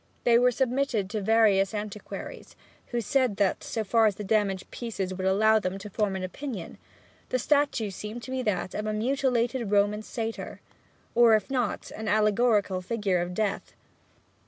They were submitted to various antiquaries, who said that, so far as the damaged pieces would allow them to form an opinion, the statue seemed to be that of a mutilated Roman satyr; or if not, an allegorical figure of Death.